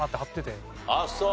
ああそう。